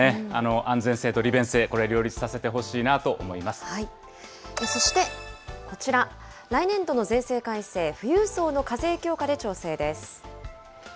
安全性と利便性、これ、両立させてほしいなとそして、こちら、来年度の税制改正、富裕層の課税強化で調整です。